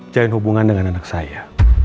jalin hubungan dengan anak saya